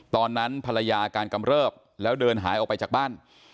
ตอนนั้นภรรยาอาการกำเริบแล้วเดินหายออกไปจากบ้าน